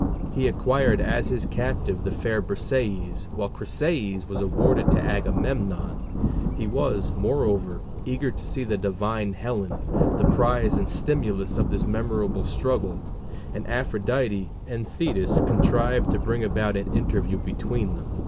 He acquired as his captive the fair Briseis, while Chryseis was awarded to Agamemnon; he was, moreover, eager to see the divine Helen, the prize and stimulus of this memorable struggle; and Aphrodite and Thetis contrived to bring about an interview between them.